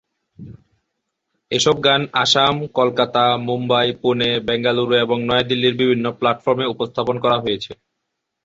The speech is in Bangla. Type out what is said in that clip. এসব গান আসাম, কলকাতা, মুম্বই, পুনে, বেঙ্গালুরু এবং নয়াদিল্লির বিভিন্ন প্ল্যাটফর্মে উপস্থাপন করা হয়েছে।